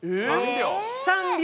３秒？